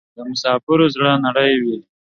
د مسافرو زړه نری وی